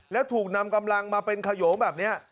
แล้วถูกนำกำลังมาเป็นขยงแบบนี้